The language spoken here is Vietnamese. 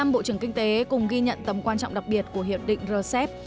một mươi năm bộ trưởng kinh tế cùng ghi nhận tầm quan trọng đặc biệt của hiệp định rcep